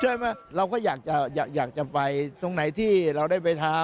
ใช่ไหมเราก็อยากจะไปตรงไหนที่เราได้ไปทำ